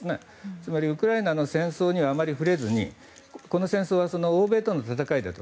つまりウクライナの戦争にはあまり触れずに、この戦争は欧米との戦いだと。